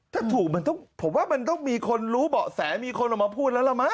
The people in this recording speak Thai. ถ้าถูกมันต้องผมว่ามันต้องมีคนรู้เบาะแสมีคนออกมาพูดแล้วล่ะมั